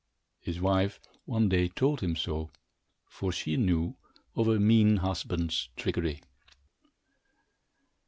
His wife one day told him so, for she knew of her mean husband's trickery.